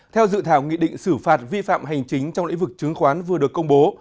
theo dự thảo nghị định xử phạt vi phạm hành chính trong lĩnh vực chứng khoán vừa được công bố